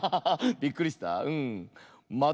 びっくりした？